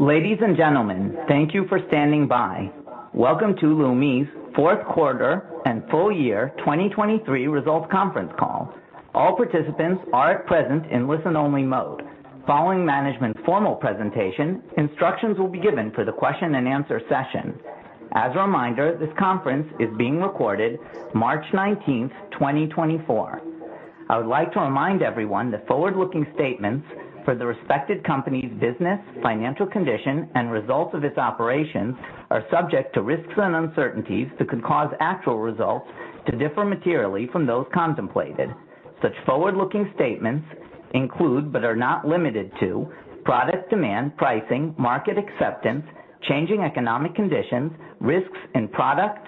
Ladies and gentlemen, thank you for standing by. Welcome to Leumi's fourth quarter and full year 2023 results conference call. All participants are present in listen-only mode. Following management's formal presentation, instructions will be given for the question-and-answer session. As a reminder, this conference is being recorded, March 19, 2024. I would like to remind everyone that forward-looking statements for the respective company's business, financial condition, and results of its operations are subject to risks and uncertainties that could cause actual results to differ materially from those contemplated. Such forward-looking statements include but are not limited to product demand, pricing, market acceptance, changing economic conditions, risks in product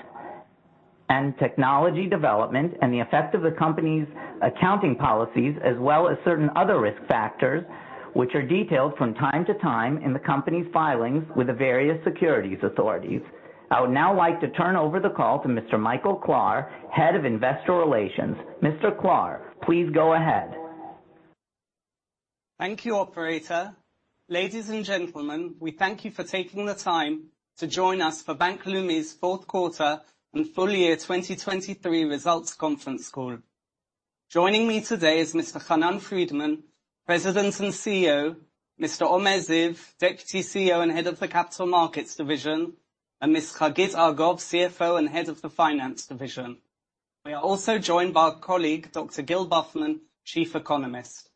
and technology development, and the effect of the company's accounting policies, as well as certain other risk factors which are detailed from time to time in the company's filings with the various securities authorities. I would now like to turn over the call to Mr. Michael Klahr, Head of Investor Relations. Mr. Klahr, please go ahead. Thank you, operator. Ladies and gentlemen, we thank you for taking the time to join us for Bank Leumi's fourth quarter and full year 2023 results conference call. Joining me today is Mr. Hanan Friedman, President and CEO, Mr. Omer Ziv, Deputy CEO and head of the capital markets division, and Ms. Hagit Argov, CFO and head of the finance division. We are also joined by our colleague, Dr. Gil Bufman, Chief Economist.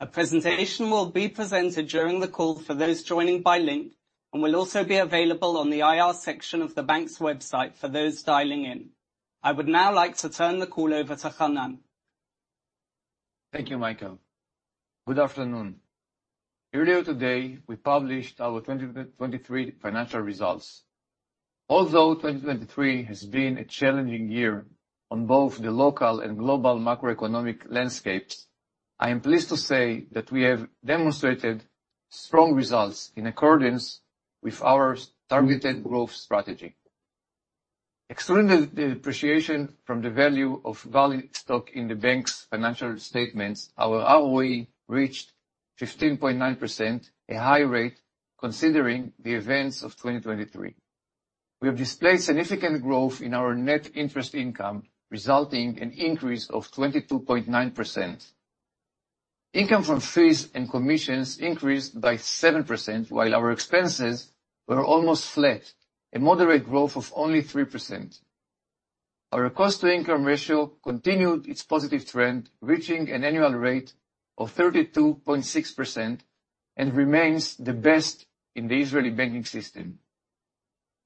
A presentation will be presented during the call for those joining by link and will also be available on the IR Section of the bank's website for those dialing in. I would now like to turn the call over to Hanan. Thank you, Michael. Good afternoon. Earlier today, we published our 2023 financial results. Although 2023 has been a challenging year on both the local and global macroeconomic landscapes, I am pleased to say that we have demonstrated strong results in accordance with our targeted growth strategy. Extreme appreciation from the value of Valley stock in the bank's financial statements. Our ROE reached 15.9%, a high rate considering the events of 2023. We have displayed significant growth in our net interest income, resulting in an increase of 22.9%. Income from fees and commissions increased by 7% while our expenses were almost flat, a moderate growth of only 3%. Our cost-to-income ratio continued its positive trend, reaching an annual rate of 32.6%, and remains the best in the Israeli banking system.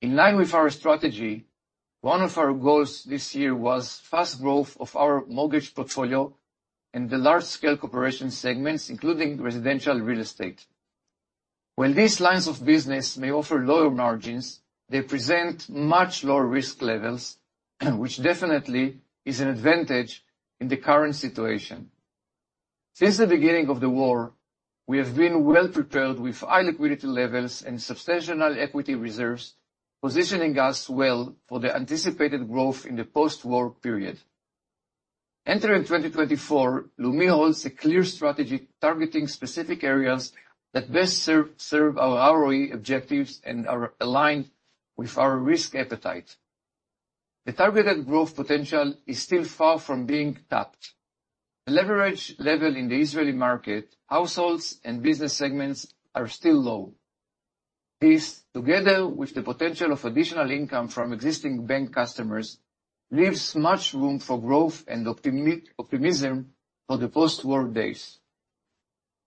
In line with our strategy, one of our goals this year was fast growth of our mortgage portfolio and the large-scale corporate segments, including residential real estate. While these lines of business may offer lower margins, they present much lower risk levels, which definitely is an advantage in the current situation. Since the beginning of the war, we have been well prepared with high liquidity levels and substantial equity reserves, positioning us well for the anticipated growth in the post-war period. Entering 2024, Leumi holds a clear strategy targeting specific areas that best serve our ROE objectives and are aligned with our risk appetite. The targeted growth potential is still far from being tapped. The leverage level in the Israeli market, households, and business segments are still low. This, together with the potential of additional income from existing bank customers, leaves much room for growth and optimism for the post-war days.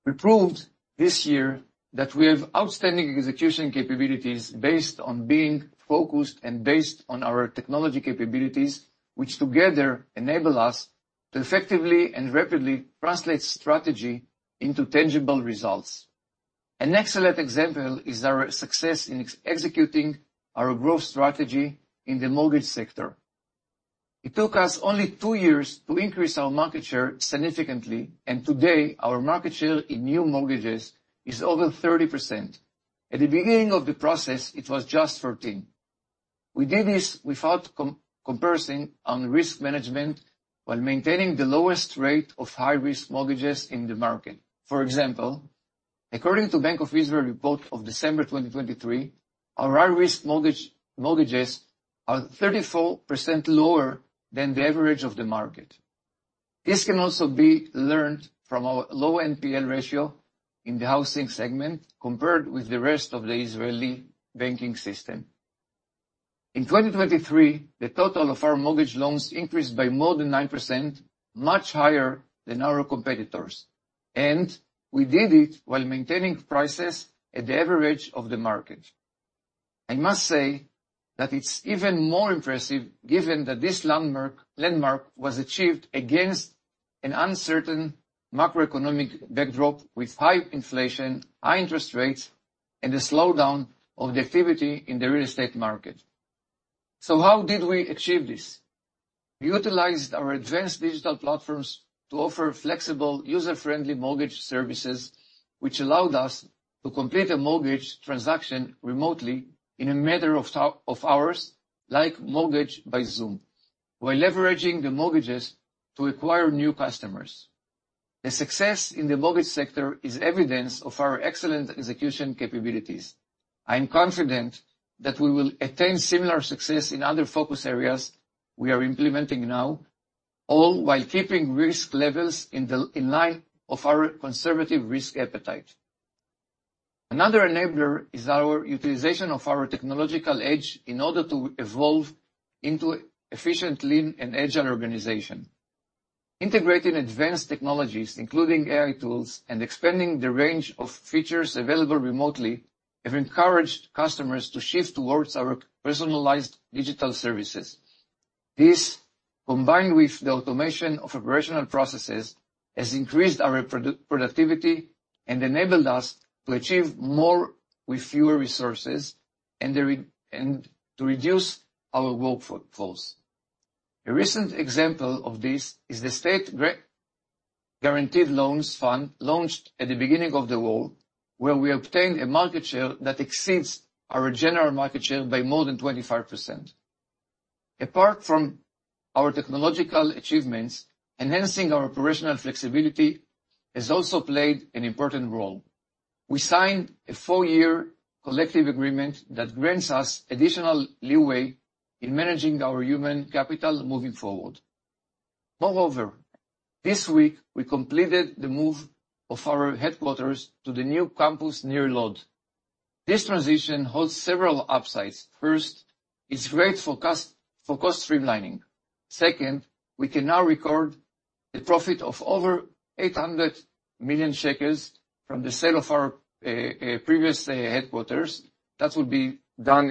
We proved this year that we have outstanding execution capabilities based on being focused and based on our technology capabilities, which together enable us to effectively and rapidly translate strategy into tangible results. An excellent example is our success in executing our growth strategy in the mortgage sector. It took us only two years to increase our market share significantly, and today our market share in new mortgages is over 30%. At the beginning of the process, it was just 14%. We did this without compromising on risk management while maintaining the lowest rate of high-risk mortgages in the market. For example, according to the Bank of Israel report of December 2023, our high-risk mortgages are 34% lower than the average of the market. This can also be learned from our low NPL ratio in the housing segment compared with the rest of the Israeli banking system. In 2023, the total of our mortgage loans increased by more than 9%, much higher than our competitors, and we did it while maintaining prices at the average of the market. I must say that it's even more impressive given that this landmark was achieved against an uncertain macroeconomic backdrop with high inflation, high interest rates, and a slowdown of the activity in the real estate market. So how did we achieve this? We utilized our advanced digital platforms to offer flexible, user-friendly mortgage services, which allowed us to complete a mortgage transaction remotely in a matter of hours, like Mortgage by Zoom, while leveraging the mortgages to acquire new customers. The success in the mortgage sector is evidence of our excellent execution capabilities. I am confident that we will attain similar success in other focus areas we are implementing now, all while keeping risk levels in line with our conservative risk appetite. Another enabler is our utilization of our technological edge in order to evolve into an efficient, lean, and agile organization. Integrating advanced technologies, including AI tools, and expanding the range of features available remotely have encouraged customers to shift towards our personalized digital services. This, combined with the automation of operational processes, has increased our productivity and enabled us to achieve more with fewer resources and to reduce our workforce. A recent example of this is the State-Guaranteed Loans Fund launched at the beginning of the war, where we obtained a market share that exceeds our general market share by more than 25%. Apart from our technological achievements, enhancing our operational flexibility has also played an important role. We signed a four-year Collective Agreement that grants us additional leeway in managing our human capital moving forward. Moreover, this week, we completed the move of our headquarters to the new campus near Lod. This transition holds several upsides. First, it's great for cost streamlining. Second, we can now record the profit of over 800 million shekels from the sale of our previous headquarters that would be done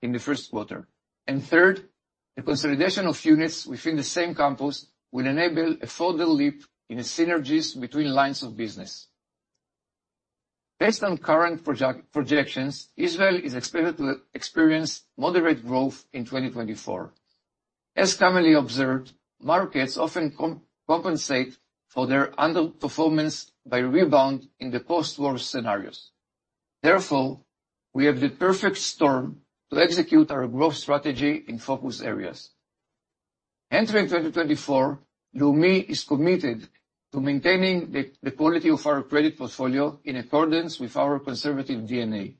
in the first quarter. And third, the consolidation of units within the same campus will enable a further leap in synergies between lines of business. Based on current projections, Israel is expected to experience moderate growth in 2024. As commonly observed, markets often compensate for their underperformance by rebound in the post-war scenarios. Therefore, we have the perfect storm to execute our growth strategy in focus areas. Entering 2024, Leumi is committed to maintaining the quality of our credit portfolio in accordance with our conservative DNA.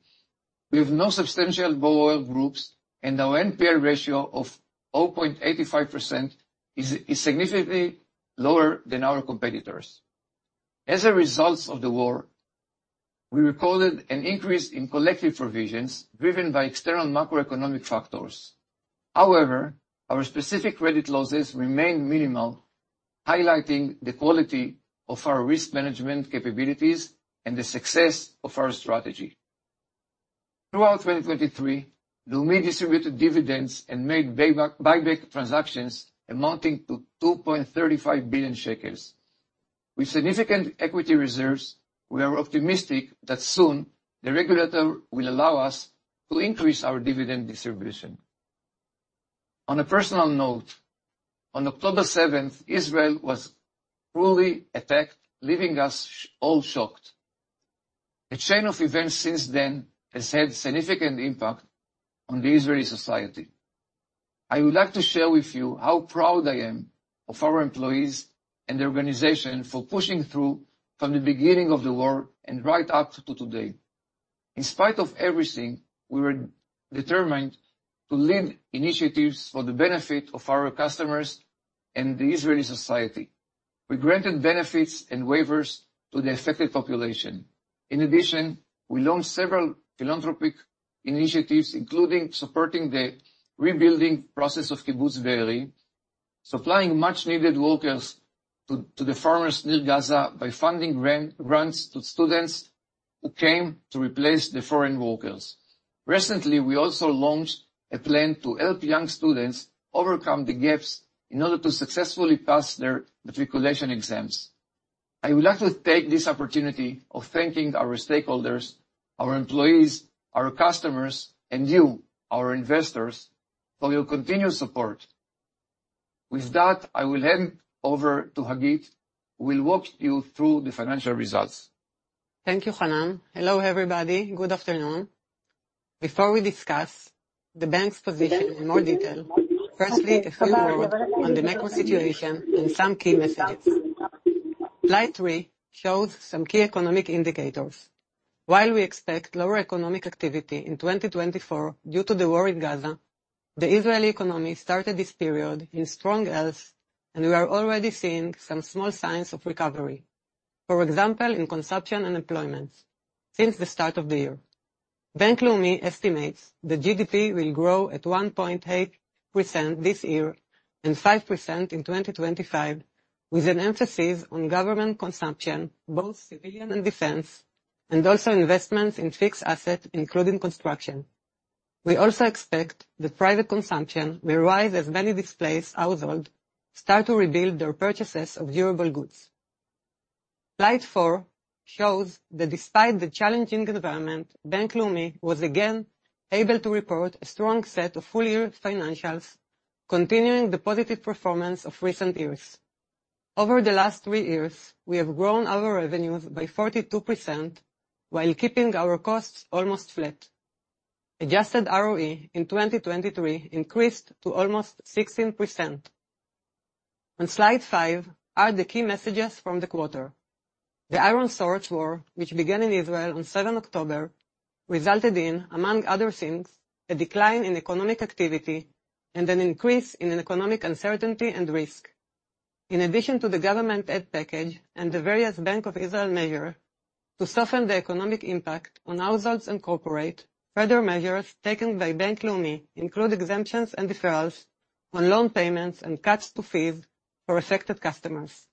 We have no substantial borrower groups, and our NPL ratio of 0.85% is significantly lower than our competitors. As a result of the war, we recorded an increase in collective provisions driven by external macroeconomic factors. However, our specific credit losses remained minimal, highlighting the quality of our risk management capabilities and the success of our strategy. Throughout 2023, Leumi distributed dividends and made buyback transactions amounting to 2.35 billion shekels. With significant equity reserves, we are optimistic that soon the regulator will allow us to increase our dividend distribution. On a personal note, on October 7th, Israel was cruelly attacked, leaving us all shocked. The chain of events since then has had significant impact on the Israeli society. I would like to share with you how proud I am of our employees and the organization for pushing through from the beginning of the war and right up to today. In spite of everything, we were determined to lead initiatives for the benefit of our customers and the Israeli society. We granted benefits and waivers to the affected population. In addition, we launched several philanthropic initiatives, including supporting the rebuilding process of Kibbutz Be'eri, supplying much-needed workers to the farmers near Gaza by funding grants to students who came to replace the foreign workers. Recently, we also launched a plan to help young students overcome the gaps in order to successfully pass their matriculation exams. I would like to take this opportunity of thanking our stakeholders, our employees, our customers, and you, our investors, for your continued support. With that, I will hand over to Hagit, who will walk you through the financial results. Thank you, Hanan. Hello, everybody. Good afternoon. Before we discuss the bank's position in more detail, firstly, a few words on the macro situation and some key messages. Slide three shows some key economic indicators. While we expect lower economic activity in 2024 due to the war in Gaza, the Israeli economy started this period in strong health, and we are already seeing some small signs of recovery, for example, in consumption and employment since the start of the year. Bank Leumi estimates the GDP will grow at 1.8% this year and 5% in 2025, with an emphasis on government consumption, both civilian and defense, and also investments in fixed assets, including construction. We also expect that private consumption will rise as many displaced households start to rebuild their purchases of durable goods. Slide four shows that despite the challenging environment, Bank Leumi was again able to report a strong set of full-year financials, continuing the positive performance of recent years. Over the last three years, we have grown our revenues by 42% while keeping our costs almost flat. Adjusted ROE in 2023 increased to almost 16%. On slide five are the key messages from the quarter. The Iron Swords War, which began in Israel on 7 October, resulted in, among other things, a decline in economic activity and an increase in economic uncertainty and risk. In addition to the government-aid package and the various Bank of Israel measures to soften the economic impact on households and corporates, further measures taken by Bank Leumi include exemptions and deferrals on loan payments and cuts to fees for affected customers.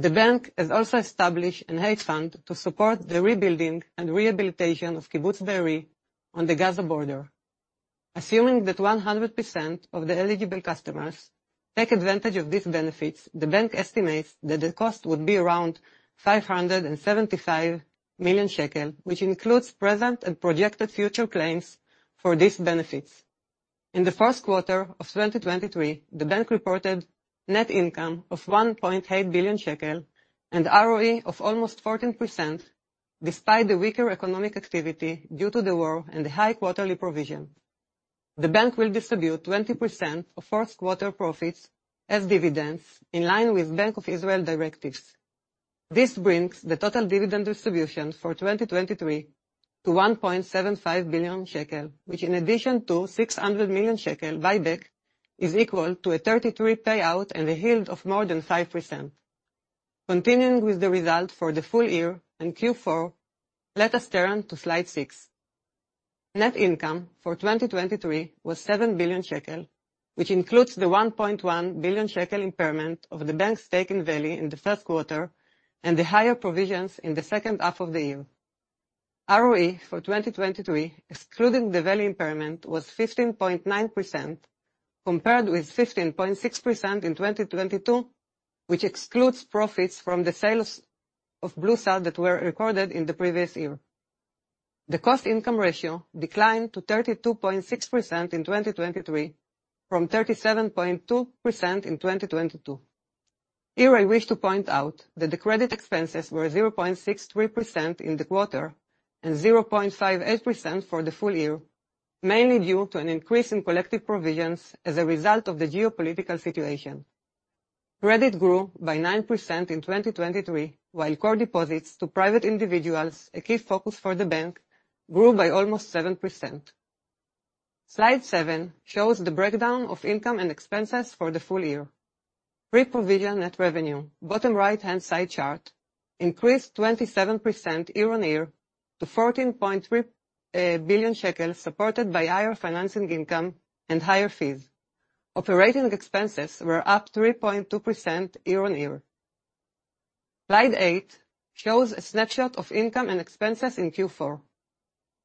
The bank has also established an Aid Fund to support the rebuilding and rehabilitation of Kibbutz Be'eri on the Gaza border. Assuming that 100% of the eligible customers take advantage of these benefits, the bank estimates that the cost would be around 575 million shekel, which includes present and projected future claims for these benefits. In the first quarter of 2023, the bank reported net income of 1.8 billion shekel and ROE of almost 14%, despite the weaker economic activity due to the war and the high quarterly provision. The bank will distribute 20% of fourth-quarter profits as dividends in line with Bank of Israel directives. This brings the total dividend distribution for 2023 to 1.75 billion shekel, which, in addition to 600 million shekel buyback, is equal to a 33% payout and a yield of more than 5%. Continuing with the result for the full year and Q4, let us turn to slide six. Net income for 2023 was 7 billion shekel, which includes the 1.1 billion shekel impairment of the bank's stake in Valley in the first quarter and the higher provisions in the second half of the year. ROE for 2023, excluding the value impairment, was 15.9% compared with 15.6% in 2022, which excludes profits from the sale of BLUSA that were recorded in the previous year. The cost-income ratio declined to 32.6% in 2023 from 37.2% in 2022. Here, I wish to point out that the credit expenses were 0.63% in the quarter and 0.58% for the full year, mainly due to an increase in collective provisions as a result of the geopolitical situation. Credit grew by 9% in 2023, while core deposits to private individuals, a key focus for the bank, grew by almost 7%. Slide 7 shows the breakdown of income and expenses for the full year. Pre-provision net revenue, bottom right-hand side chart, increased 27% year-over-year to 14.3 billion shekels, supported by higher financing income and higher fees. Operating expenses were up 3.2% year-over-year. Slide 8 shows a snapshot of income and expenses in Q4.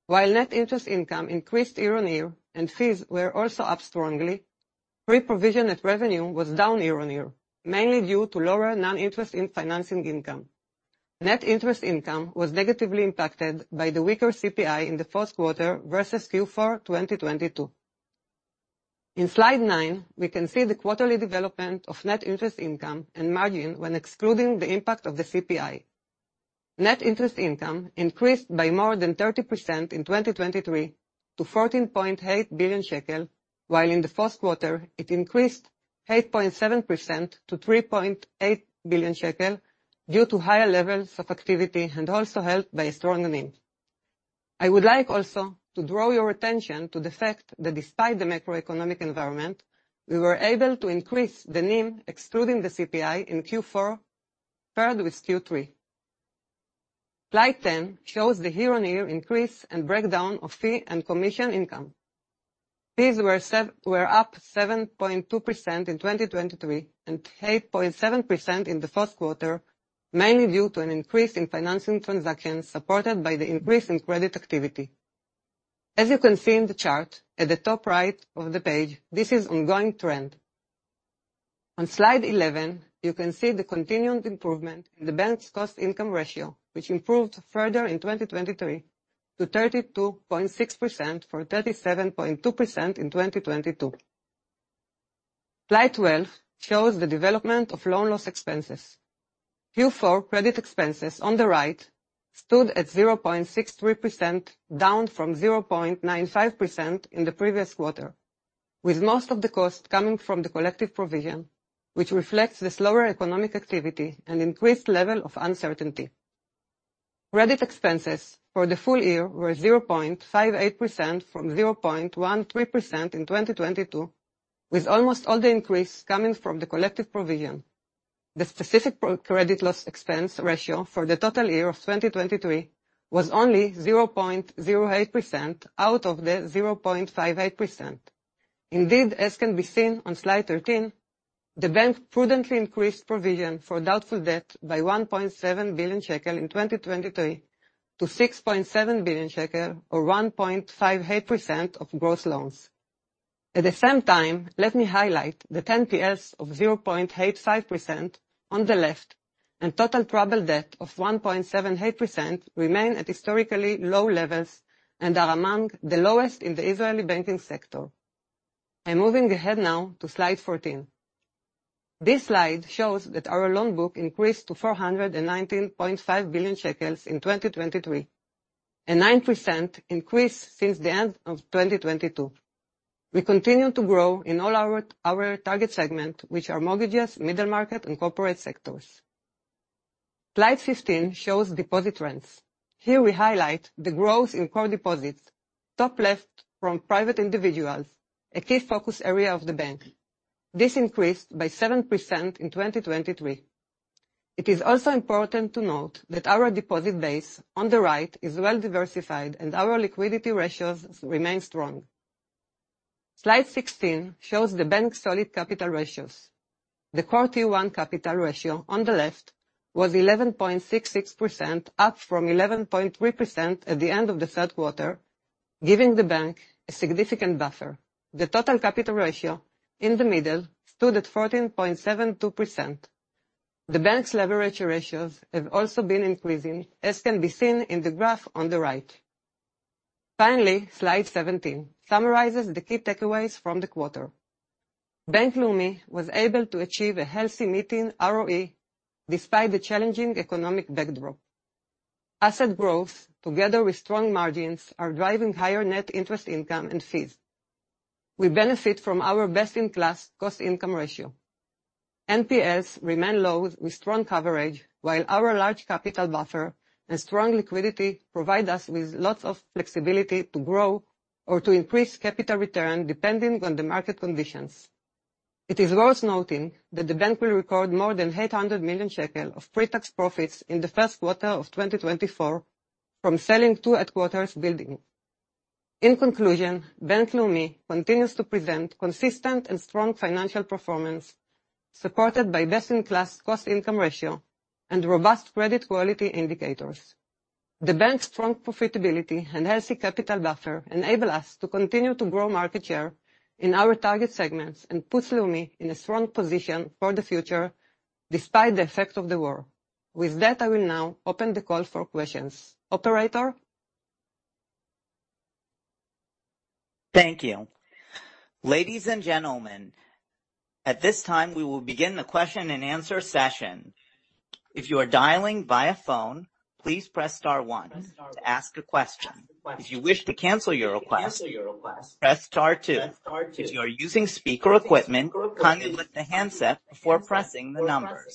While net interest income increased year-over-year and fees were also up strongly, pre-provision net revenue was down year-over-year, mainly due to lower non-interest financing income. Net interest income was negatively impacted by the weaker CPI in the fourth quarter versus Q4 2022. In slide 9, we can see the quarterly development of net interest income and margin when excluding the impact of the CPI. Net interest income increased by more than 30% in 2023 to 14.8 billion shekel, while in the fourth quarter, it increased 8.7% to 3.8 billion shekel due to higher levels of activity and also helped by a strong NIM. I would like also to draw your attention to the fact that despite the macroeconomic environment, we were able to increase the NIM excluding the CPI in Q4 paired with Q3. Slide 10 shows the year-on-year increase and breakdown of fee and commission income. Fees were up 7.2% in 2023 and 8.7% in the fourth quarter, mainly due to an increase in financing transactions supported by the increase in credit activity. As you can see in the chart at the top right of the page, this is an ongoing trend. On slide 11, you can see the continued improvement in the bank's cost-income ratio, which improved further in 2023 to 32.6% from 37.2% in 2022. Slide 12 shows the development of loan loss expenses. Q4 credit expenses on the right stood at 0.63% down from 0.95% in the previous quarter, with most of the cost coming from the collective provision, which reflects the slower economic activity and increased level of uncertainty. Credit expenses for the full year were 0.58% from 0.13% in 2022, with almost all the increase coming from the collective provision. The specific credit loss expense ratio for the total year of 2023 was only 0.08% out of the 0.58%. Indeed, as can be seen on slide 13, the bank prudently increased provision for doubtful debt by 1.7 billion shekel in 2023 to 6.7 billion shekel, or 1.58% of gross loans. At the same time, let me highlight the NPLs of 0.85% on the left and total troubled debt of 1.78% remain at historically low levels and are among the lowest in the Israeli banking sector. I'm moving ahead now to slide 14. This slide shows that our loan book increased to 419.5 billion shekels in 2023, a 9% increase since the end of 2022. We continue to grow in all our target segments, which are mortgages, middle market, and corporate sectors. Slide 15 shows deposit trends. Here, we highlight the growth in core deposits, top left from private individuals, a key focus area of the bank. This increased by 7% in 2023. It is also important to note that our deposit base on the right is well-diversified and our liquidity ratios remain strong. Slide 16 shows the bank's solid capital ratios. The core T1 capital ratio on the left was 11.66%, up from 11.3% at the end of the third quarter, giving the bank a significant buffer. The total capital ratio in the middle stood at 14.72%. The bank's leverage ratios have also been increasing, as can be seen in the graph on the right. Finally, slide 17 summarizes the key takeaways from the quarter. Bank Leumi was able to achieve a healthy meaningful ROE despite the challenging economic backdrop. Asset growth, together with strong margins, are driving higher net interest income and fees. We benefit from our best-in-class cost-income ratio. NPLs remain low with strong coverage, while our large capital buffer and strong liquidity provide us with lots of flexibility to grow or to increase capital return depending on the market conditions. It is worth noting that the bank will record more than 800 million shekel of pretax profits in the first quarter of 2024 from selling two headquarters buildings. In conclusion, Bank Leumi continues to present consistent and strong financial performance, supported by best-in-class cost-income ratio and robust credit quality indicators. The bank's strong profitability and healthy capital buffer enable us to continue to grow market share in our target segments and put Leumi in a strong position for the future despite the effects of the war. With that, I will now open the call for questions. Operator? Thank you. Ladies and gentlemen, at this time, we will begin the question-and-answer session. If you are dialing via phone, please press star one to ask a question. If you wish to cancel your request, press star two. If you are using speaker equipment, kindly lift the handset before pressing the number.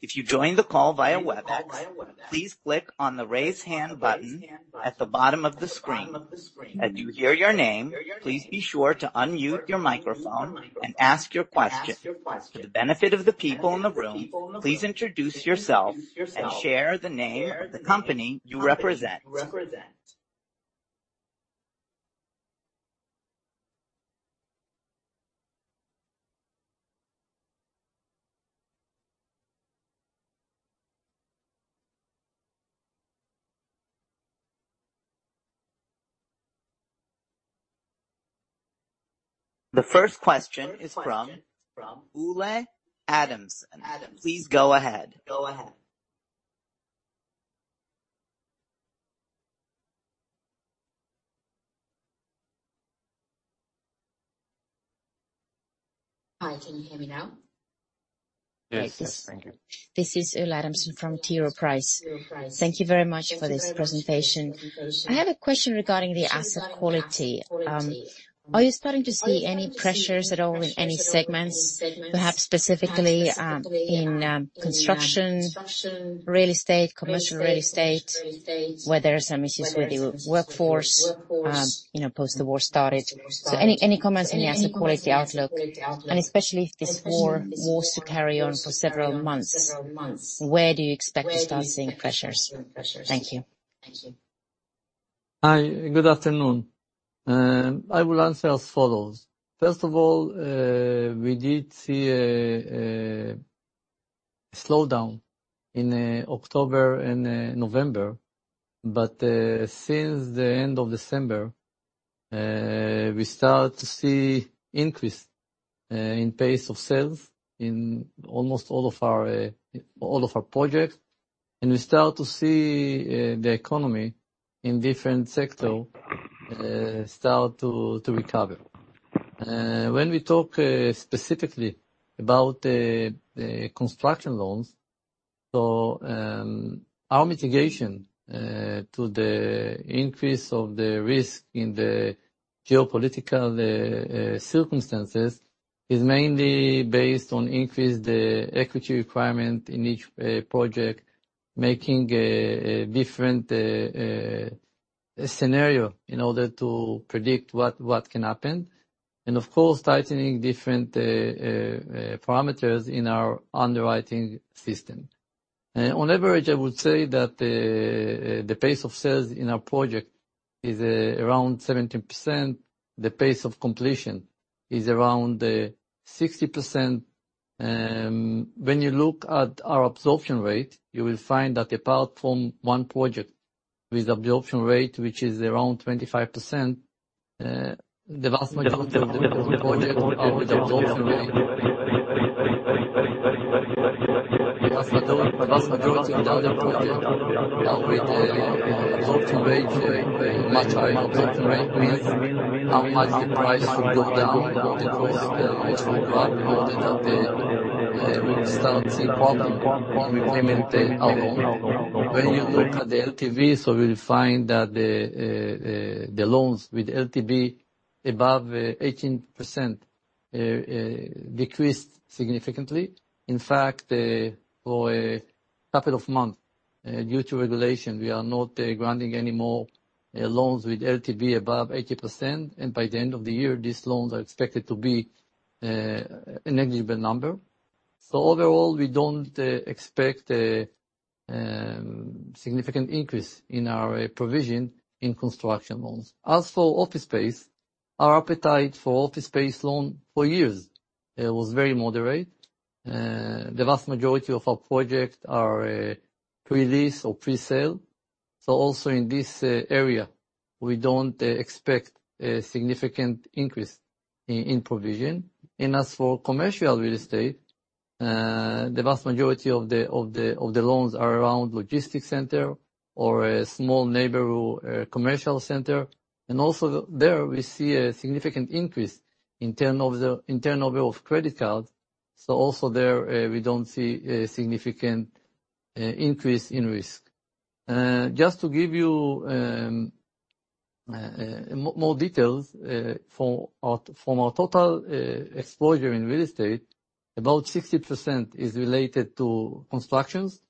If you joined the call via Webex, please click on the raise hand button at the bottom of the screen. As you hear your name, please be sure to unmute your microphone and ask your question. For the benefit of the people in the room, please introduce yourself and share the name of the company you represent. The first question is from Ulle Adamson. Please go ahead. Hi. Can you hear me now? Yes. Thank you. This is Ulle Adamson from T. Rowe Price. Thank you very much for this presentation. I have a question regarding the asset quality. Are you starting to see any pressures at all in any segments, perhaps specifically in construction, real estate, commercial real estate, where there are some issues with your workforce post the war started? So any comments on the asset quality outlook, and especially if this war was to carry on for several months, where do you expect to start seeing pressures? Thank you. Hi. Good afternoon. I will answer as follows. First of all, we did see a slowdown in October and November, but since the end of December, we start to see an increase in pace of sales in almost all of our projects, and we start to see the economy in different sectors start to recover. When we talk specifically about construction loans, our mitigation to the increase of the risk in the geopolitical circumstances is mainly based on increasing the equity requirement in each project, making a different scenario in order to predict what can happen, and of course, tightening different parameters in our underwriting system. On average, I would say that the pace of sales in our project is around 17%. The pace of completion is around 60%. When you look at our absorption rate, you will find that apart from one project with absorption rate, which is around 25%, the vast majority of the projects are with absorption rate. The vast majority of the other projects are with absorption rate. A much higher absorption rate means how much the price should go down or the cost should go up in order that we would start seeing problems when we pay our loan. When you look at the LTVs, you will find that the loans with LTV above 18% decreased significantly. In fact, for a couple of months, due to regulation, we are not granting any more loans with LTV above 80%, and by the end of the year, these loans are expected to be a negligible number. So overall, we don't expect a significant increase in our provision in construction loans. As for office space, our appetite for office space loans for years was very moderate. The vast majority of our projects are pre-lease or pre-sale. So also in this area, we don't expect a significant increase in provision. And as for commercial real estate, the vast majority of the loans are around logistics centers or a small neighborhood commercial center, and also there, we see a significant increase in turnover of credit cards. So also there, we don't see a significant increase in risk. Just to give you more details from our total exposure in real estate, about 60% is related to constructions,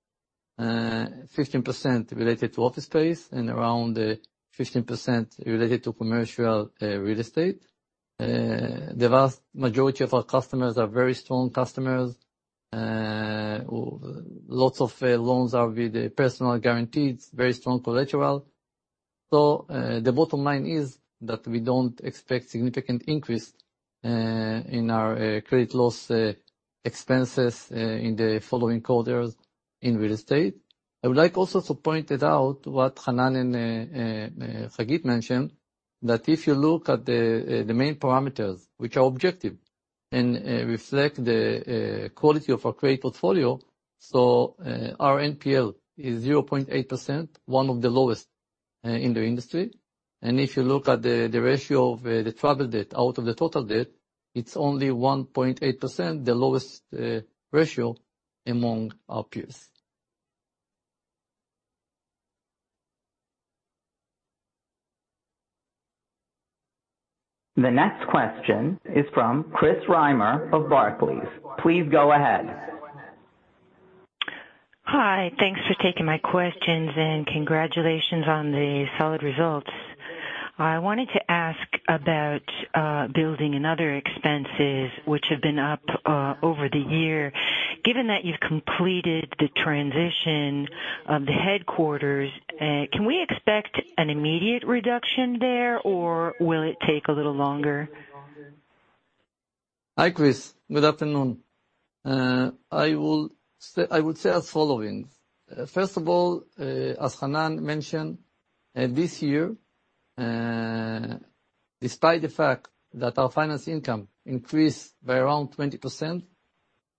15% related to office space, and around 15% related to commercial real estate. The vast majority of our customers are very strong customers. Lots of loans are with personal guarantees, very strong collateral. The bottom line is that we don't expect a significant increase in our credit loss expenses in the following quarters in real estate. I would like also to point it out what Hanan and Hagit mentioned, that if you look at the main parameters, which are objective and reflect the quality of our credit portfolio, so our NPL is 0.8%, one of the lowest in the industry. If you look at the ratio of the troubled debt out of the total debt, it's only 1.8%, the lowest ratio among our peers. The next question is from Chris Reimer of Barclays. Please go ahead. Hi. Thanks for taking my questions and congratulations on the solid results. I wanted to ask about building and other expenses, which have been up over the year. Given that you've completed the transition of the headquarters, can we expect an immediate reduction there, or will it take a little longer? Hi, Chris. Good afternoon. I would say as follows. First of all, as Hanan mentioned, this year, despite the fact that our finance income increased by around 20%,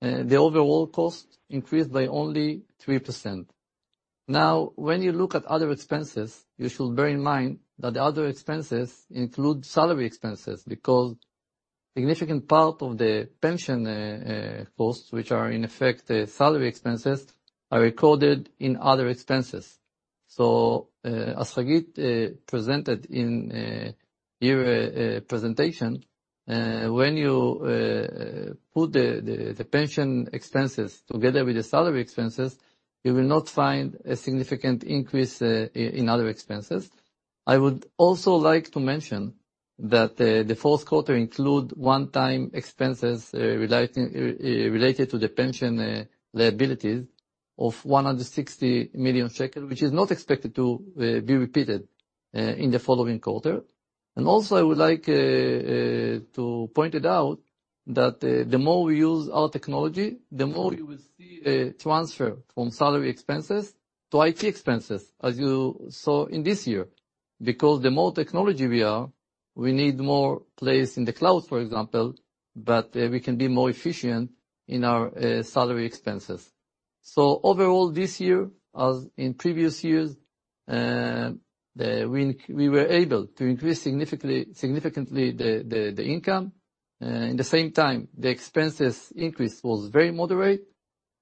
the overall cost increased by only 3%. Now, when you look at other expenses, you should bear in mind that the other expenses include salary expenses because a significant part of the pension costs, which are in effect salary expenses, are recorded in other expenses. So as Hagit presented in your presentation, when you put the pension expenses together with the salary expenses, you will not find a significant increase in other expenses. I would also like to mention that the fourth quarter includes one-time expenses related to the pension liabilities of 160 million shekel, which is not expected to be repeated in the following quarter. Also, I would like to point it out that the more we use our technology, the more you will see a transfer from salary expenses to IT expenses, as you saw in this year, because the more technology we are, we need more place in the cloud, for example, but we can be more efficient in our salary expenses. Overall, this year, as in previous years, we were able to increase significantly the income. In the same time, the expenses increase was very moderate,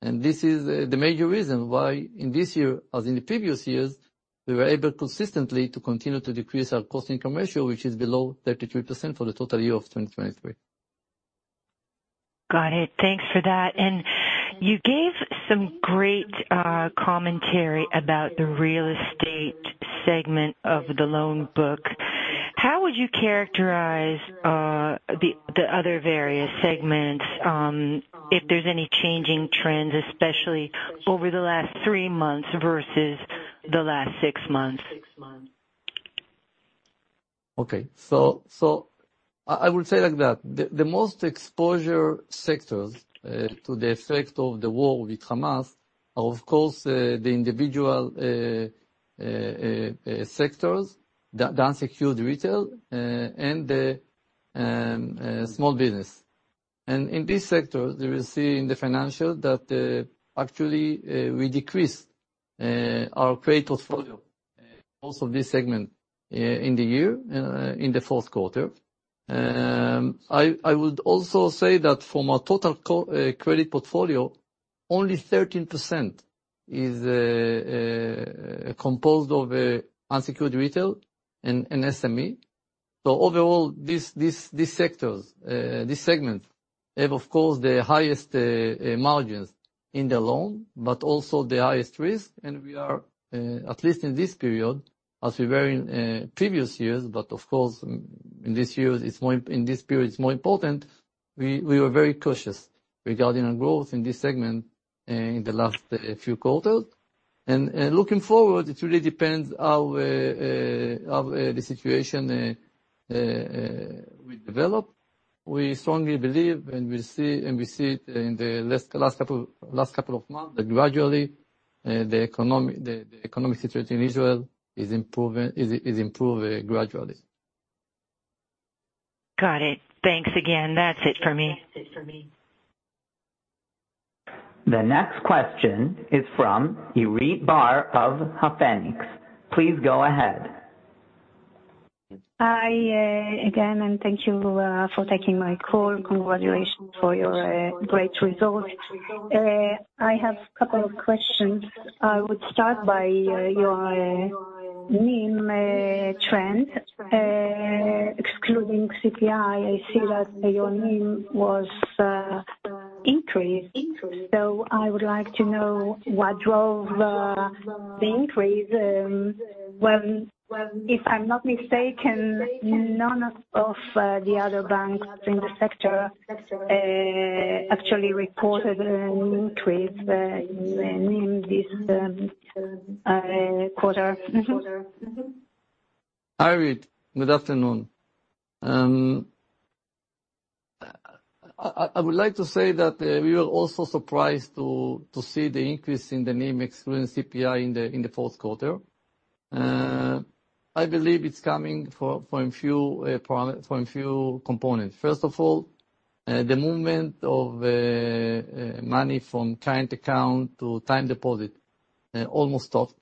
and this is the major reason why in this year, as in the previous years, we were able consistently to continue to decrease our cost-income ratio, which is below 33% for the total year of 2023. Got it. Thanks for that. You gave some great commentary about the real estate segment of the loan book. How would you characterize the other various segments, if there's any changing trends, especially over the last three months versus the last six months? Okay. So I would say like that. The most exposure sectors to the effect of the war with Hamas are, of course, the individual sectors, the unsecured retail, and the small business. And in these sectors, you will see in the financials that actually we decreased our credit portfolio, also this segment, in the year and in the fourth quarter. I would also say that from our total credit portfolio, only 13% is composed of unsecured retail and SME. So overall, these sectors, these segments, have, of course, the highest margins in the loan, but also the highest risk. And we are, at least in this period, as we were in previous years, but of course, in this period, it's more important, we were very cautious regarding our growth in this segment in the last few quarters. And looking forward, it really depends how the situation will develop. We strongly believe, and we see it in the last couple of months, that gradually the economic situation in Israel is improving gradually. Got it. Thanks again. That's it for me. The next question is from Irit Bar of Phoenix. Please go ahead. Hi again, and thank you for taking my call. Congratulations for your great results. I have a couple of questions. I would start by your NIM trend. Excluding CPI, I see that your NIM was increased. So I would like to know what drove the increase. If I'm not mistaken, none of the other banks in the sector actually reported an increase in NIM this quarter. Hi, Irit. Good afternoon. I would like to say that we were also surprised to see the increase in the NIM excluding CPI in the fourth quarter. I believe it's coming from a few components. First of all, the movement of money from current account to time deposit almost stopped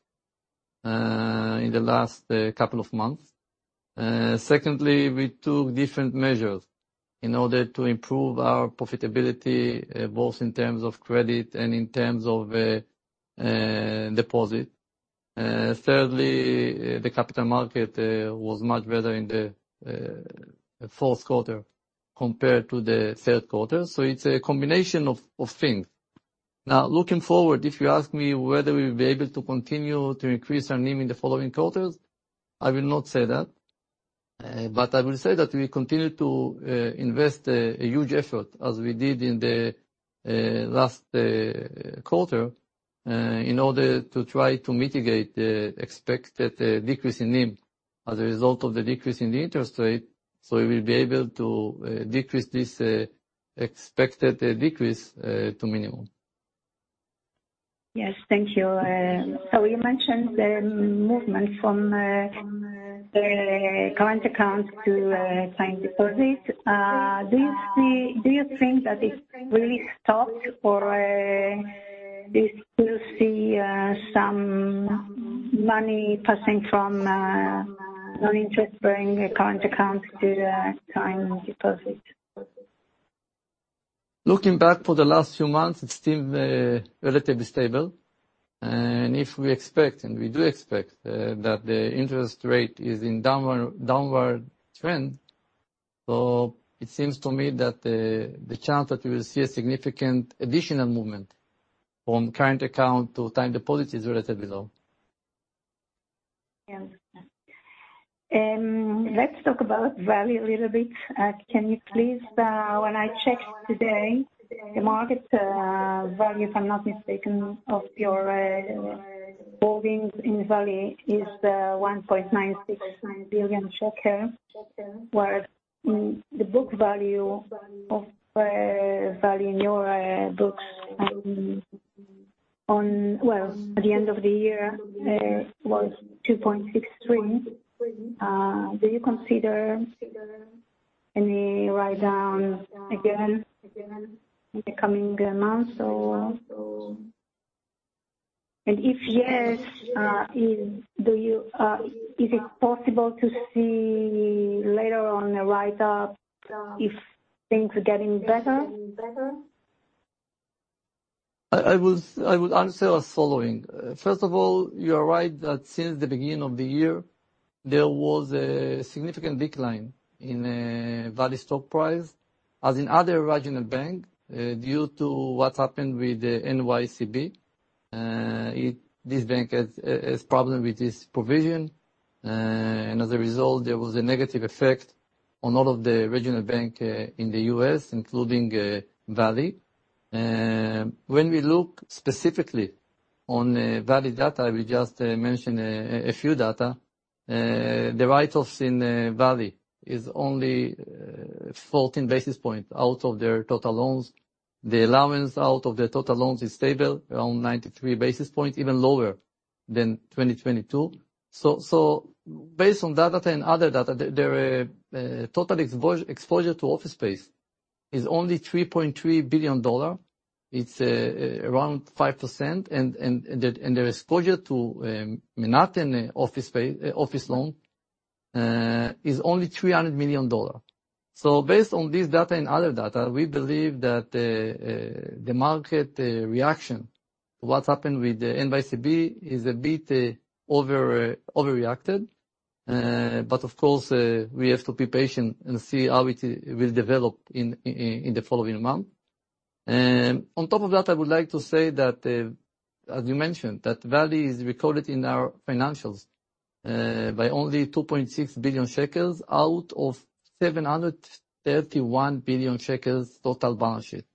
in the last couple of months. Secondly, we took different measures in order to improve our profitability, both in terms of credit and in terms of deposit. Thirdly, the capital market was much better in the fourth quarter compared to the third quarter. So it's a combination of things. Now, looking forward, if you ask me whether we will be able to continue to increase our NIM in the following quarters, I will not say that. I will say that we continue to invest a huge effort, as we did in the last quarter, in order to try to mitigate the expected decrease in NIM as a result of the decrease in the interest rate. We will be able to decrease this expected decrease to a minimum. Yes. Thank you. So you mentioned the movement from the current account to time deposit. Do you think that it really stopped, or do you still see some money passing from non-interest-bearing current account to time deposit? Looking back for the last few months, it's still relatively stable. If we expect, and we do expect, that the interest rate is in a downward trend, so it seems to me that the chance that we will see a significant additional movement from current account to time deposit is relatively low. Yeah. Let's talk about Valley a little bit. Can you please, when I checked today, the market value, if I'm not mistaken, of your holdings in Valley is 1.96 billion shekels, whereas the book value of Valley in your books on, well, at the end of the year, was 2.63 billion. Do you consider any write-down again in the coming months? And if yes, is it possible to see later on a write-up if things are getting better? I would answer as following. First of all, you are right that since the beginning of the year, there was a significant decline in Valley stock price, as in other regional banks, due to what happened with NYCB. This bank has problems with this provision, and as a result, there was a negative effect on all of the regional banks in the U.S., including Valley. When we look specifically on Valley data, I will just mention a few data. The write-offs in Valley are only 14 basis points out of their total loans. The allowance out of their total loans is stable, around 93 basis points, even lower than 2022. So based on that data and other data, their total exposure to office space is only $3.3 billion. It's around 5%. And their exposure to Manhattan office loan is only $300 million. So based on this data and other data, we believe that the market reaction to what happened with NYCB is a bit overreacted. But of course, we have to be patient and see how it will develop in the following month. On top of that, I would like to say that, as you mentioned, that Valley is recorded in our financials by only 2.6 billion shekels out of 731 billion shekels total balance sheet.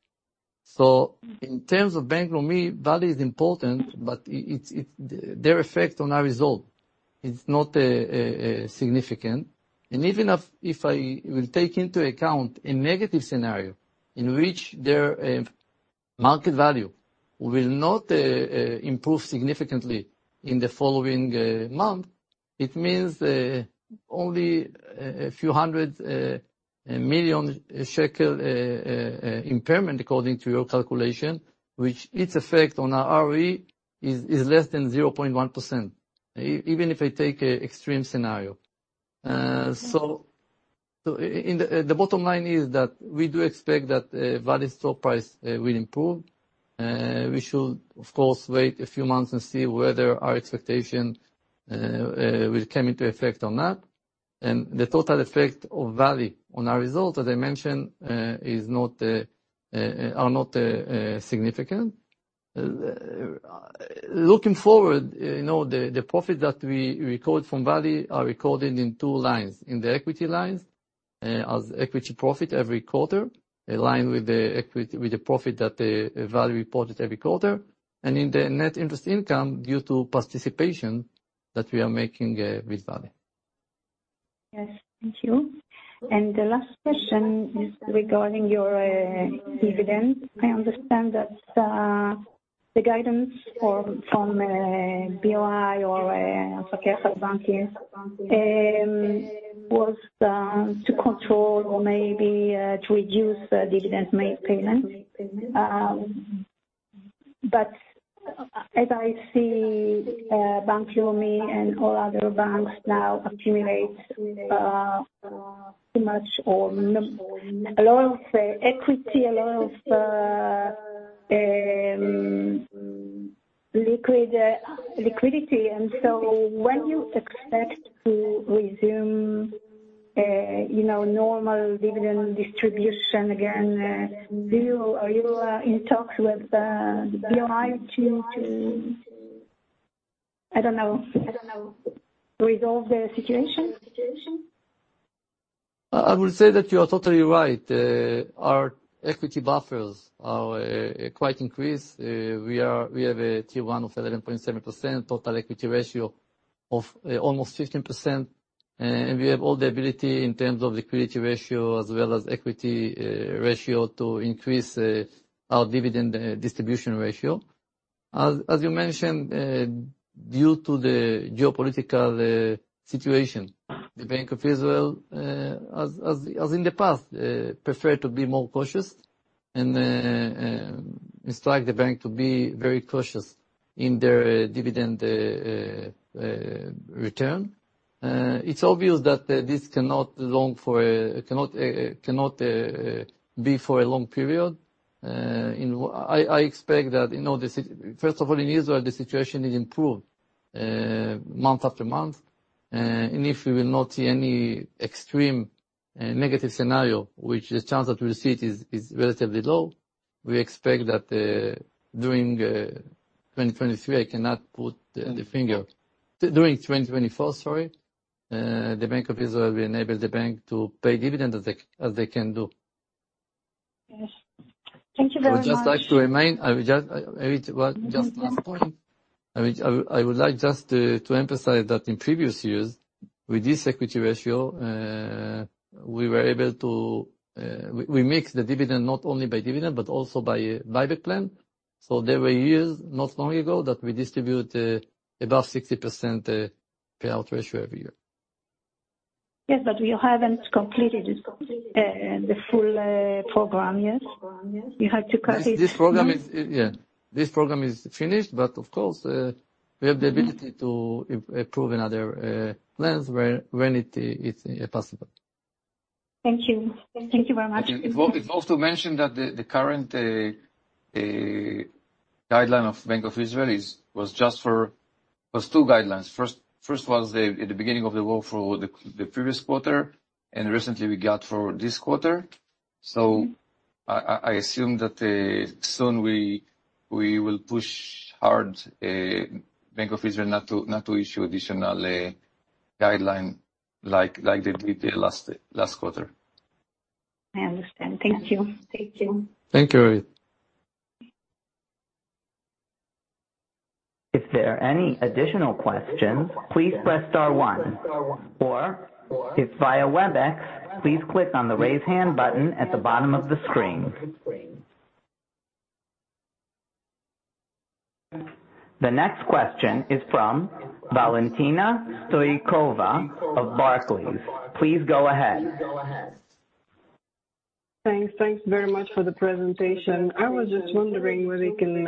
So in terms of Bank Leumi Le-Israel B.M., Valley is important, but their effect on our result is not significant. And even if I will take into account a negative scenario in which their market value will not improve significantly in the following month, it means only a few hundred million ILS impairment, according to your calculation, which its effect on our ROE is less than 0.1%, even if I take an extreme scenario. The bottom line is that we do expect that Valley stock price will improve. We should, of course, wait a few months and see whether our expectation will come into effect or not. The total effect of Valley on our results, as I mentioned, are not significant. Looking forward, the profits that we record from Valley are recorded in two lines: in the equity lines, as equity profit every quarter, in line with the profit that Valley reported every quarter, and in the net interest income due to participation that we are making with Valley. Yes. Thank you. And the last question is regarding your dividends. I understand that the guidance from BOI or [inaudible] Bank was to control or maybe to reduce dividend payments. But as I see Bank Leumi Le-Israel B.M. and all other banks now accumulate too much or a lot of equity, a lot of liquidity. And so when you expect to resume normal dividend distribution again, are you in talks with BOI to, I don't know, resolve the situation? I would say that you are totally right. Our equity buffers are quite increased. We have a Tier 1 of 11.7% total equity ratio of almost 15%. And we have all the ability, in terms of liquidity ratio as well as equity ratio, to increase our dividend distribution ratio. As you mentioned, due to the geopolitical situation, the Bank of Israel, as in the past, preferred to be more cautious and instructed the bank to be very cautious in their dividend return. It's obvious that this cannot be for a long period. I expect that, first of all, in Israel, the situation is improved month after month. If we will not see any extreme negative scenario, which the chance that we will see it is relatively low, we expect that during 2023, I cannot put the finger during 2024, sorry, the Bank of Israel will enable the bank to pay dividends as they can do. Yes. Thank you very much. I would just like to remind Irit, just one last point. I would like just to emphasize that in previous years, with this equity ratio, we were able to maximize the dividend not only by dividend, but also by buyback plan. So there were years not long ago that we distributed above 60% payout ratio every year. Yes, but we haven't completed the full program, yes? You had to cut it. Yes. Yeah. This program is finished, but of course, we have the ability to approve another plan when it's possible. Thank you. Thank you very much. It's worth to mention that the current guideline of Bank of Israel was just, it was two guidelines. First was at the beginning of the war for the previous quarter, and recently we got for this quarter. So I assume that soon we will push hard Bank of Israel not to issue additional guidelines like they did last quarter. I understand. Thank you. Thank you. Thank you, Irit. If there are any additional questions, please press star 1. Or if via WebEx, please click on the raise hand button at the bottom of the screen. The next question is from Valentina Stoykova of Barclays. Please go ahead. Thanks. Thanks very much for the presentation. I was just wondering whether you can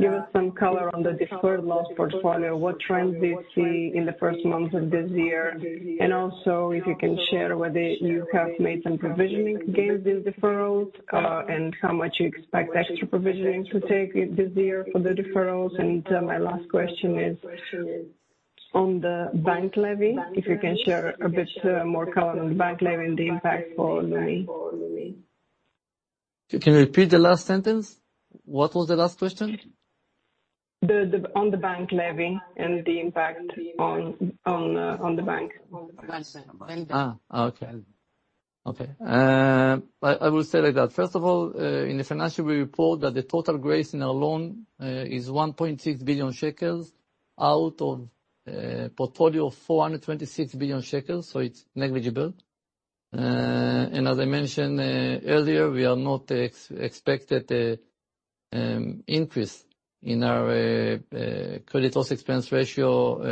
give us some color on the deferred loans portfolio. What trends do you see in the first months of this year? And also, if you can share whether you have made some provisioning gains in deferrals and how much you expect extra provisioning to take this year for the deferrals. And my last question is on the bank levy. If you can share a bit more color on the bank levy and the impact for Leumi Le-Israel B.M. Can you repeat the last sentence? What was the last question? On the bank levy and the impact on the bank. I understand. I understand. Okay. Okay. I will say like that. First of all, in the financial, we report that the total grace in our loan is 1.6 billion shekels out of a portfolio of 426 billion shekels. So it's negligible. And as I mentioned earlier, we are not expecting an increase in our credit loss expense ratio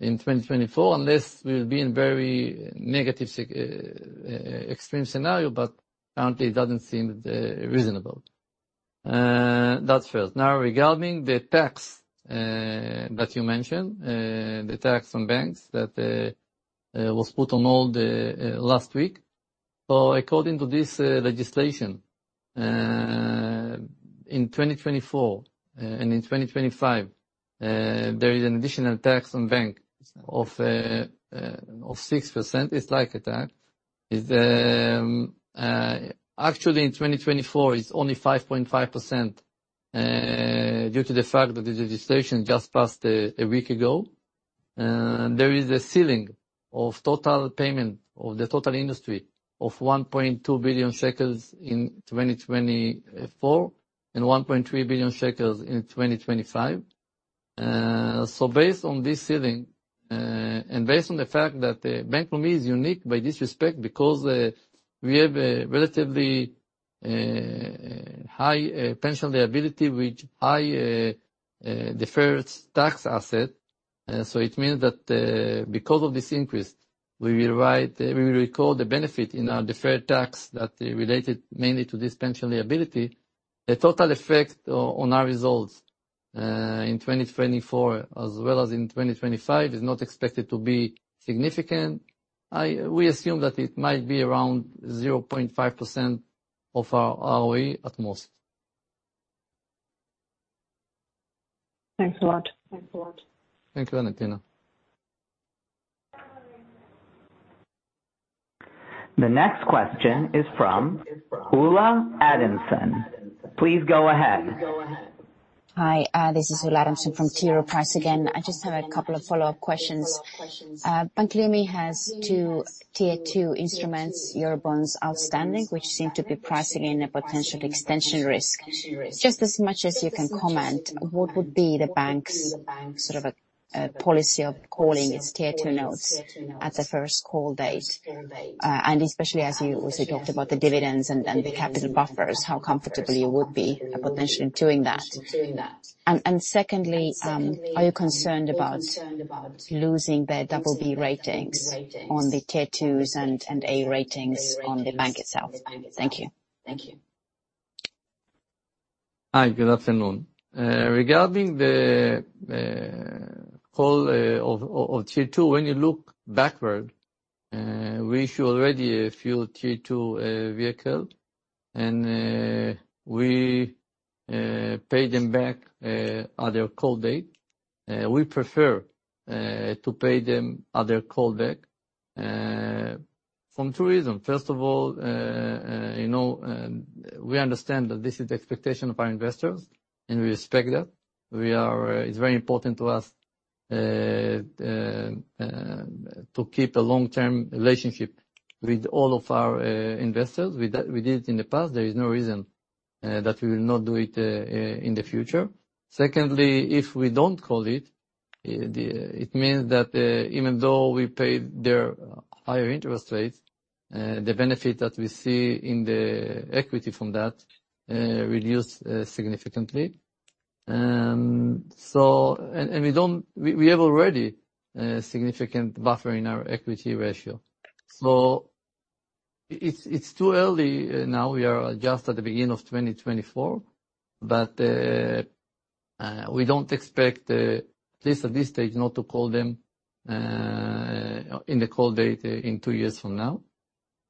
in 2024 unless we'll be in a very negative extreme scenario. But currently, it doesn't seem reasonable. That's first. Now, regarding the tax that you mentioned, the tax on banks that was put on hold last week. So according to this legislation, in 2024 and in 2025, there is an additional tax on bank of 6%. It's like a tax. Actually, in 2024, it's only 5.5% due to the fact that the legislation just passed a week ago. There is a ceiling of total payment of the total industry of 1.2 billion shekels in 2024 and 1.3 billion shekels in 2025. So based on this ceiling and based on the fact that Bank Leumi Le-Israel B.M. is unique by this respect because we have a relatively high pension liability with high deferred tax assets. So it means that because of this increase, we will record the benefit in our deferred tax that is related mainly to this pension liability. The total effect on our results in 2024 as well as in 2025 is not expected to be significant. We assume that it might be around 0.5% of our ROE at most. Thanks a lot. Thanks a lot. Thank you, Valentina. The next question is from Ulle Adamson. Please go ahead. Hi. This is Ulle Adamson from T. Rowe Price again. I just have a couple of follow-up questions. Bank Leumi Le-Israel B.M. has two Tier 2 instruments, Eurobonds, outstanding, which seem to be pricing in a potential extension risk. Just as much as you can comment, what would be the bank's sort of policy of calling its Tier 2 notes at the first call date? And especially as you also talked about the dividends and the capital buffers, how comfortable you would be potentially doing that? And secondly, are you concerned about losing their BB ratings on the Tier 2s and A ratings on the bank itself? Thank you. Thank you. Hi. Good afternoon. Regarding the call of Tier 2, when you look backward, we issued already a few Tier 2 vehicles, and we paid them back at their call date. We prefer to pay them at their call back. For two reasons. First of all, we understand that this is the expectation of our investors, and we respect that. It's very important to us to keep a long-term relationship with all of our investors. We did it in the past. There is no reason that we will not do it in the future. Secondly, if we don't call it, it means that even though we paid their higher interest rates, the benefit that we see in the equity from that reduced significantly. We have already a significant buffer in our equity ratio. It's too early now. We are just at the beginning of 2024. But we don't expect, at least at this stage, not to call them in the call date in two years from now.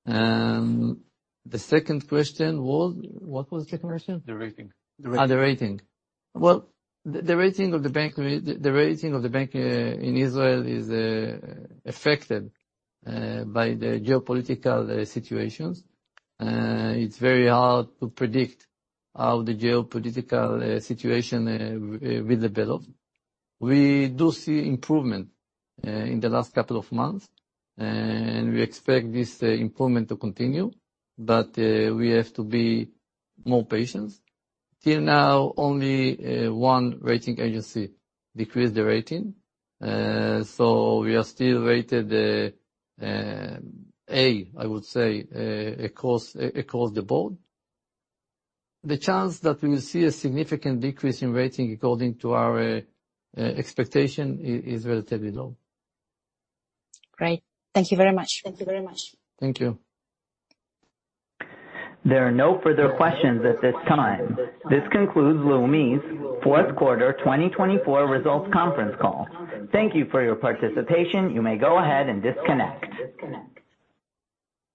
The second question was what was the question? The rating. The rating. Well, the rating of the bank the rating of the bank in Israel is affected by the geopolitical situations. It's very hard to predict how the geopolitical situation will develop. We do see improvement in the last couple of months, and we expect this improvement to continue. But we have to be more patient. Till now, only one rating agency decreased the rating. So we are still rated A, I would say, across the board. The chance that we will see a significant decrease in rating according to our expectation is relatively low. Great. Thank you very much. Thank you very much. Thank you. There are no further questions at this time. This concludes Leumi Le-Israel B.M.'s fourth quarter 2024 results conference call. Thank you for your participation. You may go ahead and disconnect.